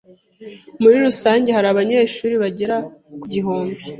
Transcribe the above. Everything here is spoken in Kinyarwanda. Muri rusange hari abanyeshuri bagera ku gihumbi.